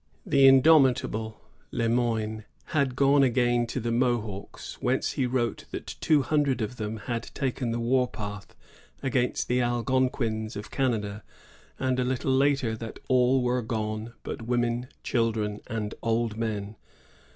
The indomitable Le Moyne had gone again to the Mohawks, whence he wrote that two hundred of them had taken the war path against the Algonquins of Canada ; and, a little later, that all were gone but women, children, and old men.